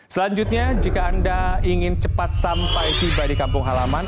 selanjutnya jika anda ingin cepat sampai tiba di kampung halaman